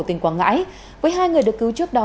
tỉnh quảng ngãi với hai người được cứu trước đó